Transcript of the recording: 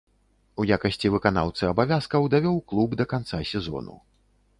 У якасці выканаўцы абавязкаў давёў клуб да канца сезону.